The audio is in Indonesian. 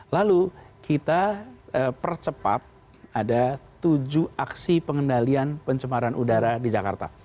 lalu kita percepat ada tujuh aksi pengendalian pencemaran udara di jakarta